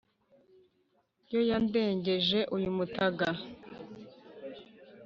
yo yandengeje uyu mutaga